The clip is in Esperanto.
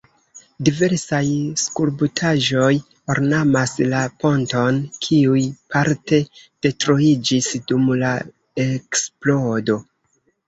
Diversaj skulptaĵoj ornamas la ponton, kiuj parte detruiĝis dum la eksplodo.